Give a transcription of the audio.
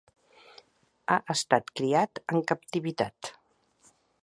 Ha estat criat en captivitat.